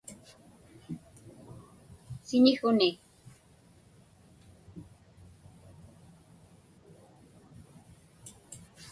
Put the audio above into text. siñikhuni